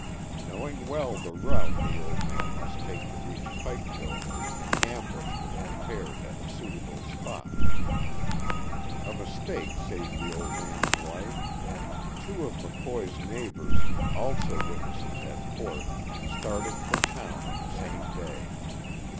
Knowing well the route the old man must take to reach Pikeville, an ambush was prepared at a suitable spot. A mistake saved the old man's life. Two of McCoy's neighbors, also witnesses at court, started for town on the same day.